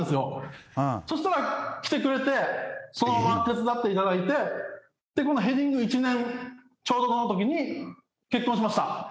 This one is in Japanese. そしたら来てくれてそのまま手伝って頂いてでこのヘディング１年ちょうどの時に結婚しました。